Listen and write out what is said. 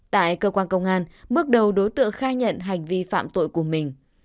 tại cơ quan công an bước đầu đối tượng khai nhận hành vi phạm tội của mình